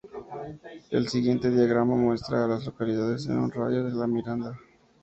El siguiente diagrama muestra a las localidades en un radio de de La Mirada.